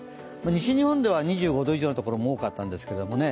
西日本では２５度以上のところ多かったんですけどね。